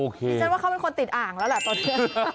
ฉันว่าเขาเป็นคนติดอ่างแล้วแหละตอนนี้